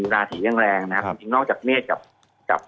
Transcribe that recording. ราศียังแรงนะครับจริงนอกจากเมฆกับ